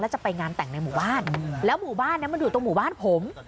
จะไปงานแต่งในหมู่บ้านแล้วหมู่บ้านนั้นมันอยู่ตรงหมู่บ้านผม